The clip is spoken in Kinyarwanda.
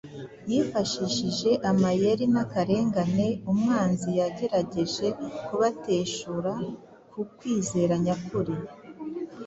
Yifashishije amayeri n’akarengane, umwanzi yagerageje kubateshura ku kwizera nyakuri.